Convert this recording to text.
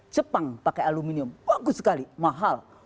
jepang pakai aluminium bagus sekali mahal